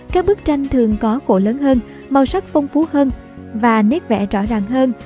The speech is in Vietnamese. các bức tranh thường có cổ lớn hơn màu sắc phong phú hơn và nét vẽ rõ ràng hơn